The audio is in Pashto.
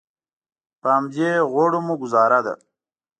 په همدې غوړو مو ګوزاره ده.